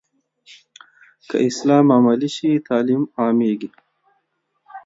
که اسلام عملي سي، تعلیم عامېږي.